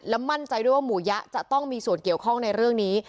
มั่นใจด้วยว่าหมู่ยะจะต้องมีส่วนเกี่ยวข้องในเรื่องนี้